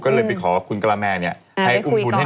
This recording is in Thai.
ก็เลยไปขอคุณกระแมนเนี่ยให้อุ่มบุญให้เธอ